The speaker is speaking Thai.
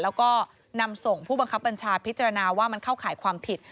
แล้วก็นำส่งผู้บังคับบัญชาพิจารณาว่ามันเข้าข่ายความผิด